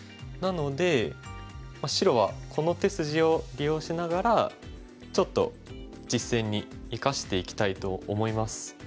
なので白はこの手筋を利用しながらちょっと実戦に生かしていきたいと思います。